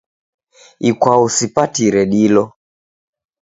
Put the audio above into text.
Ikwau sipatire dilo